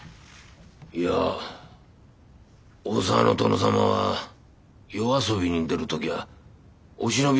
いや大沢の殿様は夜遊びに出る時はお忍び